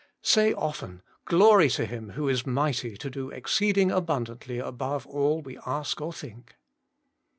Say often, 'Glory to Him who is mighty to do exceeding abundantly above all we ash or think.